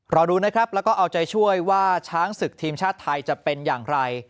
รอดูนะครับแล้วก็เอาใจช่วยว่าช้างศึกทีมชาติไทยจะเป็นอย่างไร